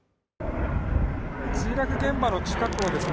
墜落現場の近くをですね